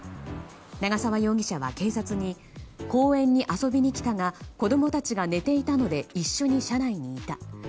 長澤容疑者は警察に公園に遊びに来たが子供たちが寝ていたので一緒に車内で寝た。